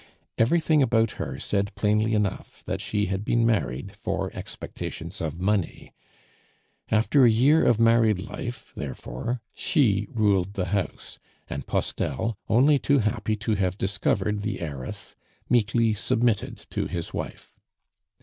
Everything about her said plainly enough that she had been married for expectations of money. After a year of married life, therefore, she ruled the house; and Postel, only too happy to have discovered the heiress, meekly submitted to his wife.